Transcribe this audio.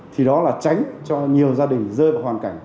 thì đó là tránh cho nhiều gia đình rơi vào hoàn cảnh